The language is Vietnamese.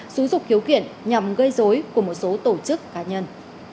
xú dục hiếu kiện nhằm gây dối của một số tổ chức cá nhân